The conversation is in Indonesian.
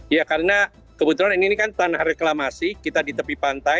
ya karena kebetulan ini kan tanah reklamasi kita di tepi pantai